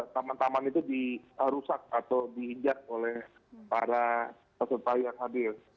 taman taman itu dirusak atau diinjak oleh para peserta yang hadir